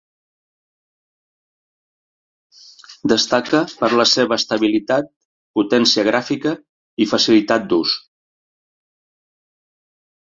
Destaca per la seva estabilitat, potència gràfica i facilitat d'ús.